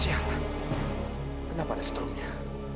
siang kenapa ada stroomnya